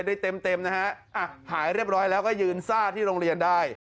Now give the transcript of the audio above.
ได้เต็มเต็มนะฮะอ่ะหายเรียบร้อยแล้วก็ยืนซ่าที่โรงเรียนได้